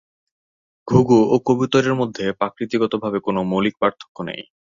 ঘুঘু ও কবুতরের মধ্যে প্রকৃতিগতভাবে কোন মৌলিক পার্থক্য নেই।